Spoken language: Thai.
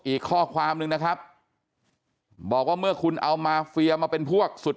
อีกข้อความนึงนะครับบอกว่าเมื่อคุณเอามาเฟียมาเป็นพวกสุด